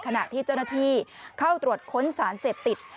ขณะที่เจ้าหน้าที่เข้าตรวจค้นสารเสพติด